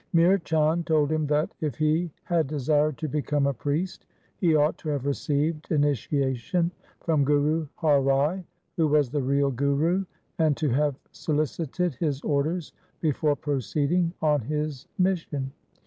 Mihr Chand told him that, if he had desired to LIFE OF GURU HAR RAI 289 become a priest, he ought to have received initiation from Guru Har Rai who was the real Guru, and to have solicited his orders before proceeding on his mission.